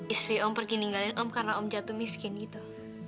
istri om pergi ninggalin om karena om jatuh miskin gitu